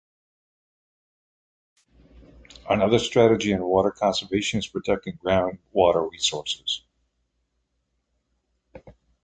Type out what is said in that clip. Another strategy in water conservation is protecting groundwater resources.